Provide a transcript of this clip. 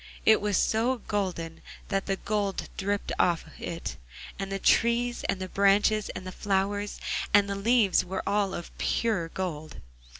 It was so golden that the gold dripped off it, and the trees, and the branches, and the flowers, and the leaves were all of pure gold.